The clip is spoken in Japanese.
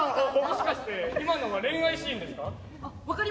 もしかして今のは恋愛シーンですか？